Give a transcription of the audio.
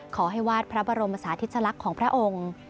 ขอให้วาดพระบรมศาธิสลักษณ์ของพระองค์